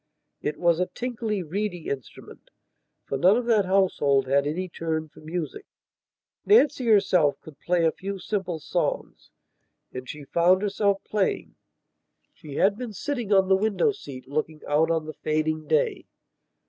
It was a tinkly, reedy instrument, for none of that household had any turn for music. Nancy herself could play a few simple songs, and she found herself playing. She had been sitting on the window seat, looking out on the fading day.